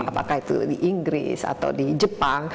apakah itu di inggris atau di jepang